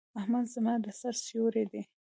احمد زما د سر سيور دی.